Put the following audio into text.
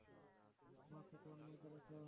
আমার সাথে অন্যায় করেছে।